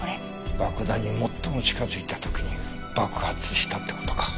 爆弾に最も近づいた時に爆発したって事か。